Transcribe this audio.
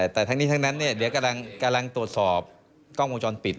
แต่ทั้งนี้ทั้งนั้นเดี๋ยวกำลังตรวจสอบกล้องวงจรปิด